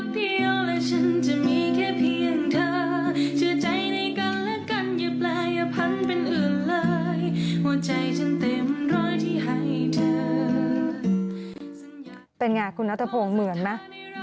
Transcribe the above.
เป็นไงคุณนัทพงศ์เหมือนไหม